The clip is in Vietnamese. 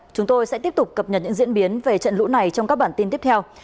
chúng tôi sẽ tiếp tục cập nhật những diễn biến về trận lũ này trong các bản tin tiếp theo